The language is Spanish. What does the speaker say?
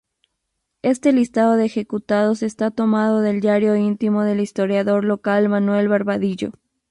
Este listado de ejecutados está tomado del diario íntimo del historiador local Manuel Barbadillo.